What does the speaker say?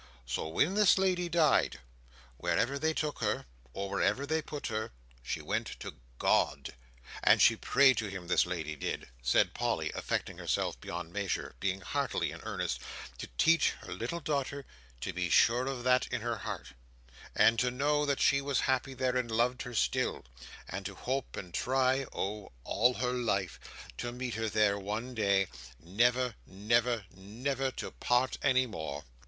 "So, when this lady died, wherever they took her, or wherever they put her, she went to GOD! and she prayed to Him, this lady did," said Polly, affecting herself beyond measure; being heartily in earnest, "to teach her little daughter to be sure of that in her heart: and to know that she was happy there and loved her still: and to hope and try—Oh, all her life—to meet her there one day, never, never, never to part any more."